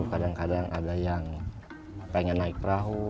kadang kadang ada yang pengen naik perahu